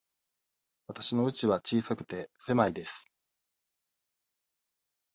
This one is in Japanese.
わたしのうちは小さくて、狭いです。